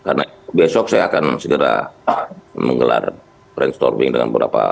karena besok saya akan segera menggelar brainstorming dengan beberapa